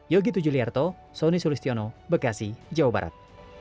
yogi tujuliarto sonny sulistiono bekasi jawa barat